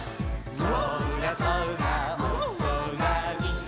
「そらそらおそらに」